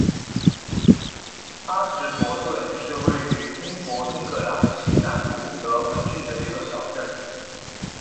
阿什伯顿是位于英国英格兰西南部德文郡的一座小镇。